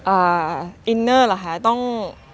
อินเนอร์เหรอคะต้อง